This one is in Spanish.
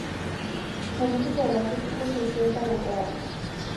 Momentos adelante, Zuko se sienta en la entrada.